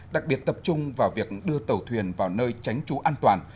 đặc biệt tập trung vào việc đưa tàu thuyền vào nơi tránh trú an toàn